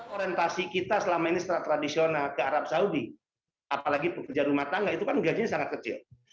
orientasi kita selama ini secara tradisional ke arab saudi apalagi pekerja rumah tangga itu kan gajinya sangat kecil